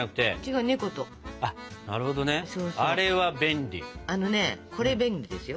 あのねこれ便利ですよ